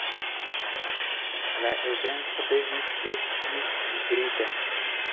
La evento devis esti hibrida.